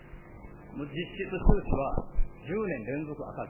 実質収支は１０年連続赤字。